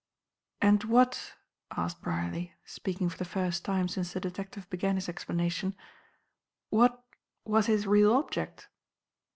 "And what," asked Brierly, speaking for the first time since the detective began his explanation "what was his real object?"